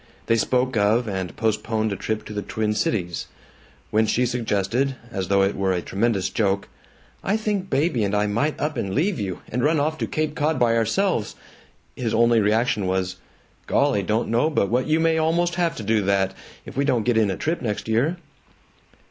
They spoke of and postponed a trip to the Twin Cities. When she suggested, as though it were a tremendous joke, "I think baby and I might up and leave you, and run off to Cape Cod by ourselves!" his only reaction was "Golly, don't know but what you may almost have to do that, if we don't get in a trip next year."